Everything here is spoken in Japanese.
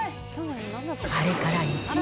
あれから１年。